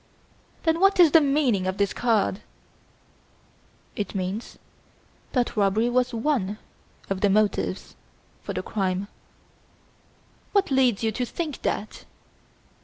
"Then, what is the meaning of this card?" "It means that robbery was one of the motives for the crime." "What leads you to think that?"